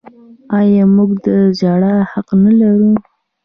آیا موږ د ژړا حق نلرو؟